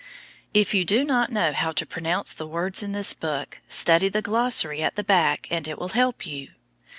If you do not know how to pronounce the words in this book, study the glossary at the back and it will help you.